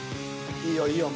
いいよいいよ